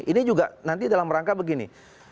ini juga nanti dalam rangka begini